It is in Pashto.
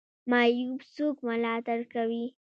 معیوب څوک ملاتړ کوي؟